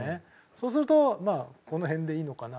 そうするとこの辺でいいのかな。